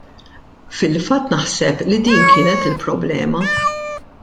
Fil-fatt naħseb li din kienet il-problema.